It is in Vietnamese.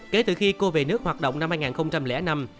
kể từ khi cô về nước hoạt động năm hai nghìn năm